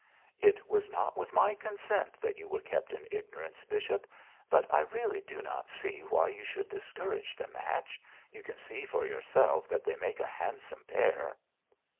'It was not with my consent that you were kept in ignorance, bishop. But I really do not see why you should discourage the match. You can see for yourself that they make a handsome pair.'